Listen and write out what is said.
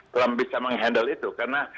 trump bisa menghandle itu karena